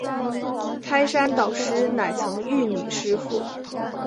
开山导师乃曾玉女师傅。